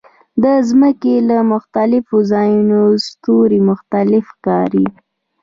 د ځمکې له مختلفو ځایونو ستوري مختلف ښکاري.